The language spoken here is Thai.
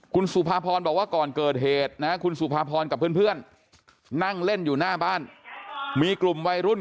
คุณสุภาพรบอกว่าก่อนเกิดเหตุนะคุณสุภาพรกับเพื่อนนั่งเล่นอยู่หน้าบ้านมีกลุ่มวัยรุ่น